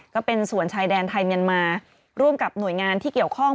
ก็เป็นส่วนชายแดนไทยเมียนมาร่วมกับหน่วยงานที่เกี่ยวข้อง